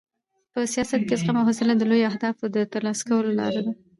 په سیاست کې زغم او حوصله د لویو اهدافو د ترلاسه کولو لار ده.